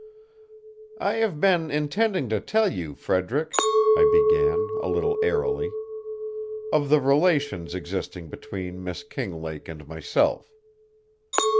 "I have been intending to tell you, Frederick," I began a little airily, "of the relations existing between Miss Kinglake and myself.